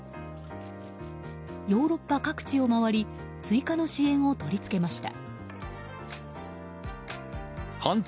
ヨーロッパ各地を回り追加の支援をとりつけました。